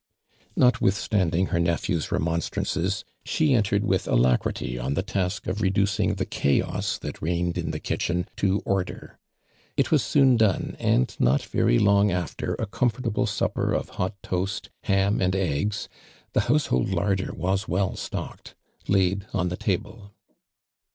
Xotwitiislanding h'r nepliew's njmon strances she entered with alacrity on the task of reducing t)»e ehans that reigned in the kitclu^u to order. It was h<^ou done, !uid not very long after a comfortable sup per of hot toast, ham .and eggs (the house hold lai'der was well stocked) laid on the table.